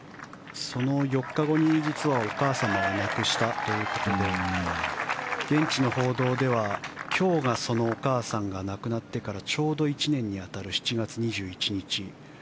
その４日後に実はお母様を亡くしたということで現地の報道では今日がそのお母さんが亡くなってからちょうど１年に当たる７月２１日。